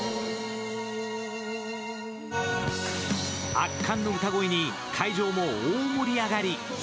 圧巻の歌声に会場も大盛り上がり。